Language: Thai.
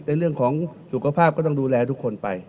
เรื่องของสุขภาพก็ต้องดูแลทุกคนไป